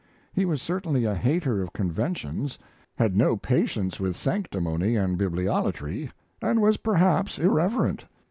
He was certainly a hater of conventions, had no patience with sanctimony and bibliolatry, and was perhaps irreverent.